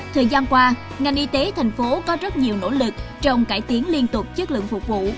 thời gian qua ngành y tế thành phố có rất nhiều nỗ lực trong cải tiến liên tục chất lượng phục vụ